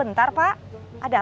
angge terima kasih ya